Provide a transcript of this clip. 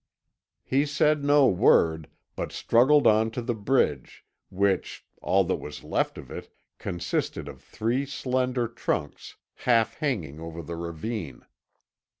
He said no word, but struggled on to the bridge, which all that was left of it consisted of three slender trunks half hanging over the ravine.